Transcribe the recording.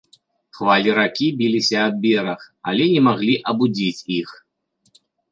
Хвалі ракі біліся аб бераг, але не маглі абудзіць іх.